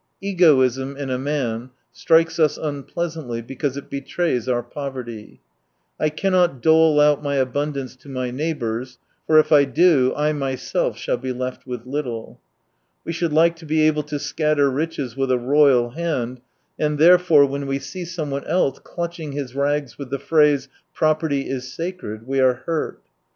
— Egoism in a man strikes us unpleasantly because it betrays our poverty. *' I cannot dole out my abundance to my neighbour, for if I do I myself shall be left with little." We should like to be able to scatter riches with a royal hand ; and, therefore, when we see someone else clutching his rags with the phrase, " property is sacred," we are hurt.